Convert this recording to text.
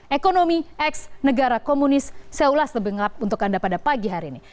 ekonomi ex negara komunis seulas tebingap untuk anda pada pagi hari ini